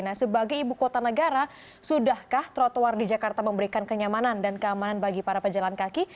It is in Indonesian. nah sebagai ibu kota negara sudahkah trotoar di jakarta memberikan kenyamanan dan keamanan bagi para pejalan kaki